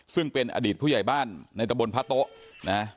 ซึ่งเป็นอดีตผู้ใหญ่บ้านในตะบนพระโต๊ะนะ